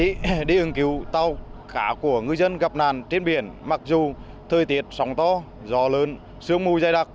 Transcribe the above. cứu tàu khả của người dân gặp nạn trên biển mặc dù thời tiết sóng to gió lớn sương mùi dài đặc